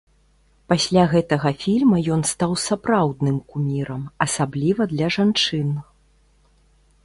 Пасля гэтага фільма ён стаў сапраўдным кумірам, асабліва для жанчын.